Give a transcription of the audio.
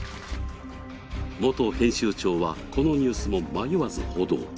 元編集長はこのニュースも迷わず報道。